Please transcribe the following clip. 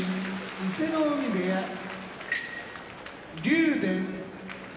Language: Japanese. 伊勢ノ海部屋竜電